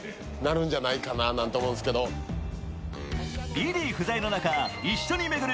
リリー不在の中一緒に巡る